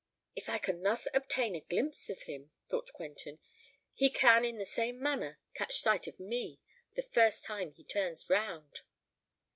"If I can thus obtain a glimpse of him," thought Quentin, "he can in the same manner catch sight of me the first time he turns round."